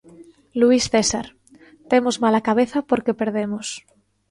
Luís César: Temos mal a cabeza porque perdemos.